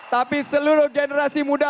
tapi seluruh generasi muda